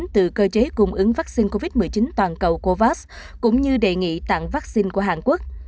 từ cơ chế cung ứng vắc xin covid một mươi chín toàn cầu covax cũng như đề nghị tặng vắc xin của hàn quốc